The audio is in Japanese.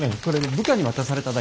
部下に渡されただけ。